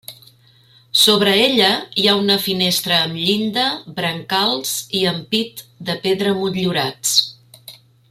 Sobre ella hi ha una finestra amb llinda, brancals i ampit de pedra motllurats.